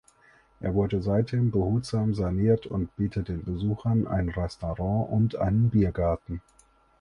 Er wurde seitdem behutsam saniert und bietet den Besuchern ein Restaurant und einen Biergarten.